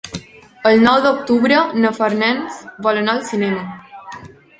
El nou d'octubre na Farners vol anar al cinema.